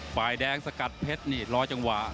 ฝ่ายแดงสกัดเพชรนี่รอจังหวะ